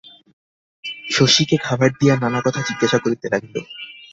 শশীকে খাবার দিয়া নানাকথা জিজ্ঞাসা করিতে লাগিল।